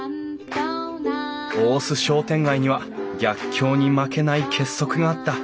大須商店街には逆境に負けない結束があった。